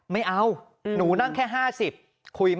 เหมือนกันไหม